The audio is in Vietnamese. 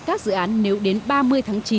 các dự án nếu đến ba mươi tháng chín